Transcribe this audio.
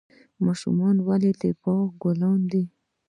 ماشومان ولې د باغ ګلونه دي؟